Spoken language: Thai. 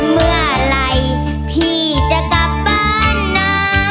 เมื่อไหร่พี่จะกลับบ้านนะ